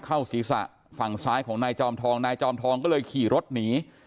เข้าศีรษะฝั่งซ้ายของนายจอมทองนายจอมทองก็เลยขี่รถหนี